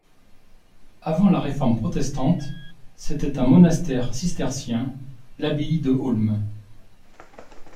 Avant la Réforme protestante, c'était un monastère cistercien, l'abbaye de Holme.